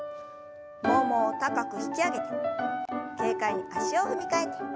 ももを高く引き上げて軽快に足を踏み替えて。